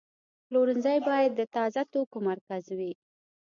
پلورنځی باید د تازه توکو مرکز وي.